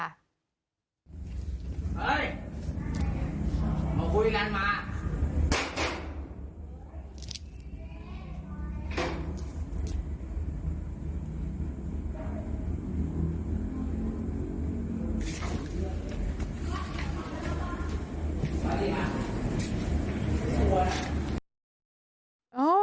เฮ้ยมาคุยกันมา